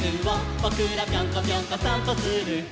「ぼくらぴょんこぴょんこさんぽする」